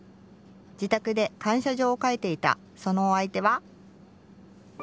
自宅で感謝状を書いていたそのお相手は？